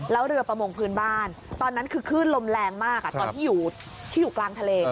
แล้วเรือประมงพื้นบ้านตอนนั้นคือคลื่นลมแรงมากตอนที่อยู่กลางทะเล